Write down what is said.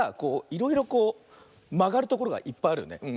いろいろこうまがるところがいっぱいあるよね。